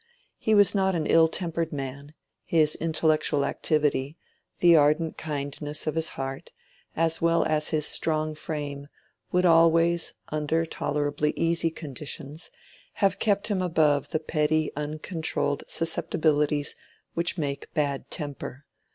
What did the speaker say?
He was not an ill tempered man; his intellectual activity, the ardent kindness of his heart, as well as his strong frame, would always, under tolerably easy conditions, have kept him above the petty uncontrolled susceptibilities which make bad temper.